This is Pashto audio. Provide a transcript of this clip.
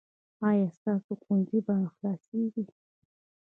ایا ستاسو ښوونځی به خلاصیږي؟